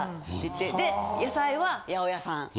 で野菜は八百屋さん。